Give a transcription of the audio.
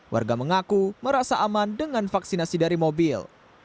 warga mengaku merasa aman dengan vaksinasi dari mobil